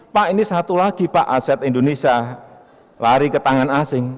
pak ini satu lagi pak aset indonesia lari ke tangan asing